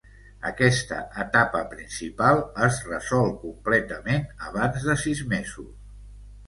Aquesta etapa principal es resol completament abans de sis mesos.